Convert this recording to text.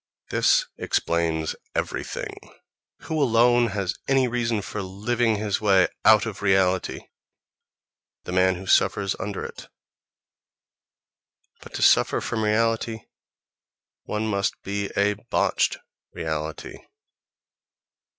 This explains everything. Who alone has any reason for living his way out of reality? The man who suffers under it. But to suffer from reality one must be a botched reality....